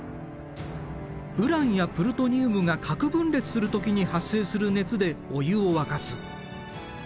ウランやプルトニウムが核分裂する時に発生する熱でお湯を沸かす。